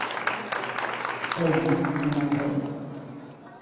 Play Monts Et Merveilles.